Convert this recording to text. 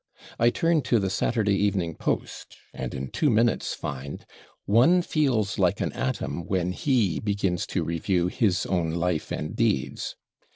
I turn to the /Saturday Evening Post/, and in two minutes find: "/one/ feels like an atom when /he/ begins to review /his/ own life and deeds."